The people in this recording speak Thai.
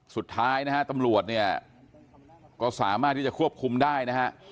สุดท้ายนะฮะตำรวจเนี่ยก็สามารถที่จะควบคุมได้นะฮะ